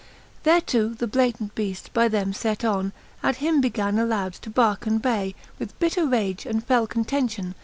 XLI. Thereto the Blatant beaft by them fet on At him began aloud to barke and bay. With bitter rage and fell contention.